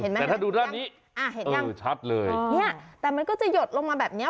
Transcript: แต่ถ้าดูด้านนี้อ่าเห็นยังดูชัดเลยเนี่ยแต่มันก็จะหยดลงมาแบบเนี้ย